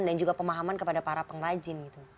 dan juga pemahaman kepada para pengrajin